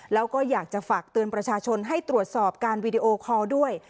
แล้วก็อยากจะฝากเตือนประชาชนให้ตรวจสอบการวีดีโอคอลด้วย